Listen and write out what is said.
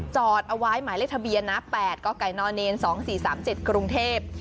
จอดเอาไว้หมายเลขทะเบียนนะ๘กกน๒๔๓๗กรุงเทพ